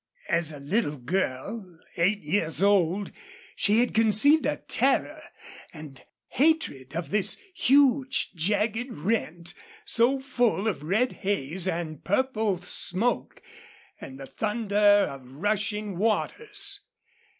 As a little girl eight years old she had conceived a terror and hatred of this huge, jagged rent so full of red haze and purple smoke and the thunder of rushing waters.